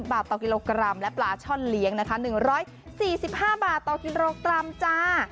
บาทต่อกิโลกรัมและปลาช่อนเลี้ยงนะคะ๑๔๕บาทต่อกิโลกรัมจ้า